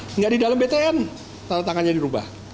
tidak di dalam btn tanda tangannya dirubah